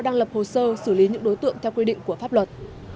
đang lập hồ sơ xử lý những đối tượng theo quy định của pháp luật